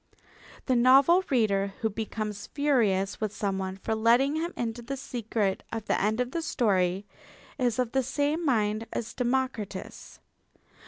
The novel reader who becomes furious with someone for letting him into the secret of the end of the story is of the same mind as Democritus.